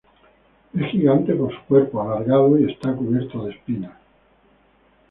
Es gigante por su cuerpo alargado y está cubierto de espinas.